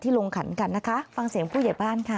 ที่ลงขันค่ะฟังเสียงผู้เจ็บบ้านค่ะ